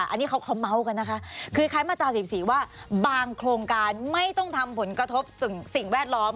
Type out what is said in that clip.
อันนี้เขาเค้าเมาส์กันนะคะคือคล้ายคล้ายมาตราสี่สี่ว่าบางโครงการไม่ต้องทำผลกระทบสิ่งสิ่งแวดล้อม